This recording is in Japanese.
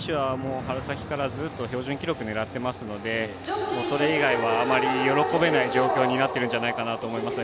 寺田選手は春先からずっと標準記録を狙っているのでそれ以外はあまり喜べない状況になっているんじゃないかなと思いますね。